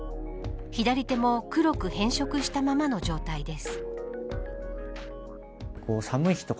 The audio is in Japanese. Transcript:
左手も黒く変色したままの状態です。